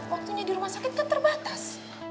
waktunya di rumah sakit kan terbatas